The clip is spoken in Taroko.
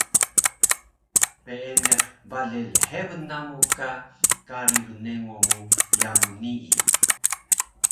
Peeniq bale lhebun namu ka kari rnengo mu yamu nii